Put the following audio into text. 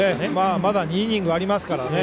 まだ２イニングありますからね。